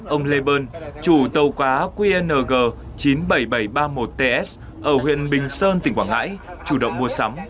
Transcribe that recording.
ông lê bơn chủ tàu quá qng chín mươi bảy nghìn bảy trăm ba mươi một ts ở huyện bình sơn tỉnh quảng ngãi chủ động mua sắm